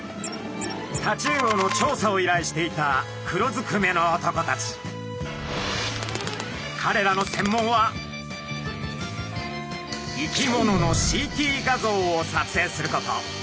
タチウオの調査をいらいしていたかれらの専門は生き物のＣＴ画像を撮影すること。